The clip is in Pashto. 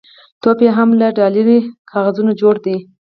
ټوپ یې هم له ډالري کاغذونو جوړ دی.